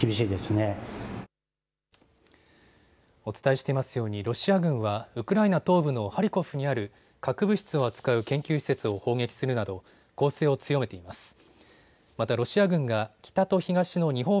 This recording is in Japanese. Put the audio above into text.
お伝えしていますようにロシア軍はウクライナ東部のハリコフにある核物質を扱う研究施設を砲撃するなど攻勢を強めています。